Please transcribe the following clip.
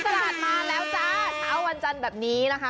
ตลาดมาแล้วจ้าเช้าวันจันทร์แบบนี้นะคะ